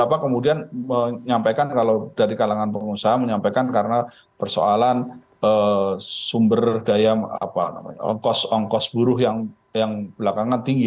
apa kemudian menyampaikan kalau dari kalangan pengusaha menyampaikan karena persoalan sumber daya ongkos ongkos buruh yang belakangan tinggi